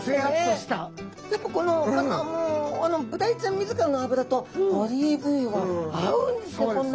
やっぱこの何かもうブダイちゃん自らの脂とオリーブ油が合うんですね